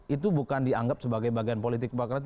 itu bukan dianggap sebagai bagian politik demokrat